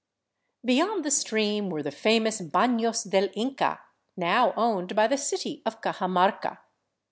Beyond the stream were the famous " Banos del Inca," now owned by the city of Cajamarca.